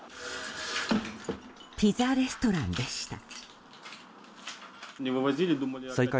ピザレストランでした。